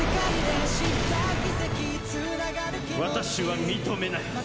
私は認めない！